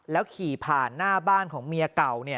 แล้วขี่ผ่านหน้าบ้านของเมียเก่าเนี่ย